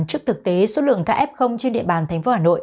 trước thực tế số lượng ca f trên địa bàn tp hà nội